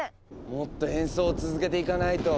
もっと演奏を続けていかないと。